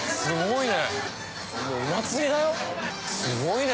すごいね。